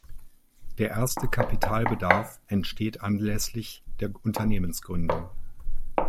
Der erste Kapitalbedarf entsteht anlässlich der Unternehmensgründung.